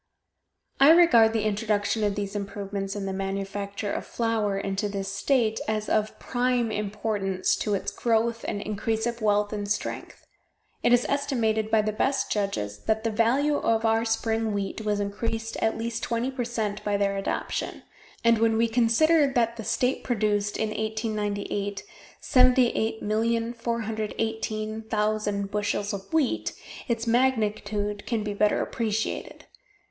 I regard the introduction of these improvements in the manufacture of flour into this state as of prime importance to its growth and increase of wealth and strength. It is estimated by the best judges that the value of our spring wheat was increased at least twenty per cent by their adoption, and when we consider that the state produced, in 1898, 78,418,000 bushels of wheat, its magnitude can be better appreciated.